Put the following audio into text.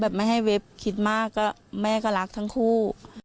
ไม่ให้เว็บคิดมากก็แม่ก็รักทั้งคู่